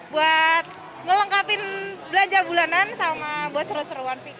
buat melengkapi belanja bulanan buat seru seruan sih